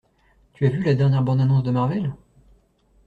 Tu as vu la dernière bande annonce de Marvel?